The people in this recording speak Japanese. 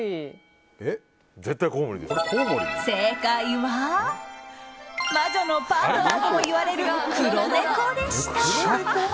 正解は魔女のパートナーともいわれる黒猫でした。